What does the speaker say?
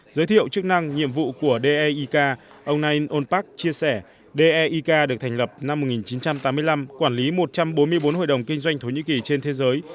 giới thiệu chức năng nhiệm vụ của deik ông nain onpak chia sẻ deik được thành lập năm một nghìn chín trăm tám mươi năm quản lý một trăm bốn mươi bốn hội đồng kinh doanh thổ nhĩ kỳ trên thế giới